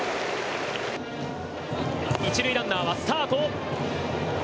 １塁ランナーはスタート！